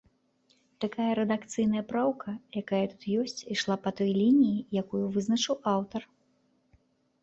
Тая рэдакцыйная праўка, якая тут ёсць, ішла па той лініі, якую вызначыў аўтар.